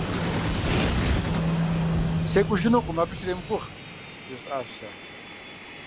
СекӀужынукъым, абы щремыгугъ! – жысӀащ сэ.